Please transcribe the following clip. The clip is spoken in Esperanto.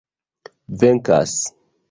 venkas